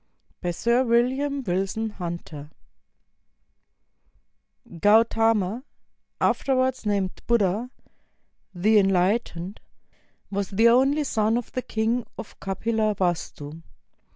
] BY SIR WILLIAM WILSON HUNTER Gautama, afterwards named Buddha, "The Enlight ened," was the only son of the Kjng of Kapilavastu.